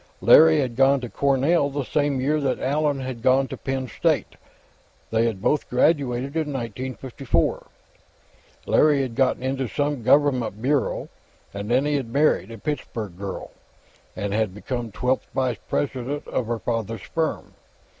Larry had gone to Cornell the same year that Allan had gone to Penn State; they had both graduated in 1954. Larry had gotten into some Government bureau, and then he had married a Pittsburgh girl, and had become twelfth vice president of her father's firm.